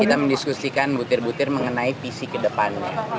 kita mendiskusikan butir butir mengenai visi ke depannya